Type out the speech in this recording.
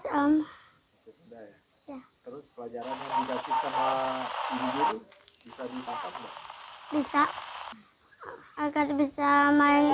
terus pelajaran yang dikasih sama guru guru bisa dipanggil